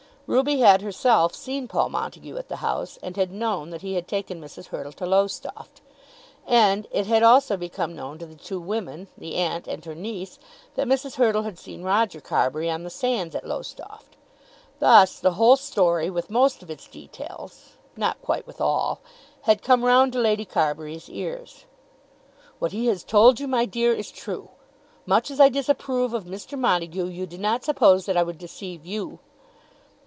Ruby had herself seen Paul Montague at the house, and had known that he had taken Mrs. Hurtle to Lowestoft. And it had also become known to the two women, the aunt and her niece, that Mrs. Hurtle had seen Roger Carbury on the sands at Lowestoft. Thus the whole story with most of its details, not quite with all, had come round to Lady Carbury's ears. "What he has told you, my dear, is true. Much as I disapprove of Mr. Montague, you do not suppose that I would deceive you."